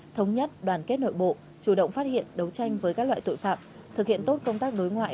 thống nhất đoàn kết nội bộ chủ động phát hiện đấu tranh với các loại tội phạm thực hiện tốt công tác đối ngoại